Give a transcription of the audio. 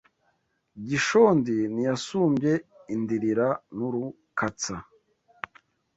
Gishondi ntiyasumbye Indirira n’Urukatsa